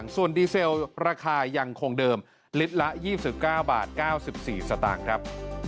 ส่วนดีเซลราคายังคงเดิมลิตรละ๒๙บาท๙๔สตางค์ครับ